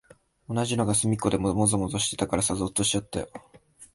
同じのがすみっこでもぞもぞしてたからさ、ぞっとしちゃったよ。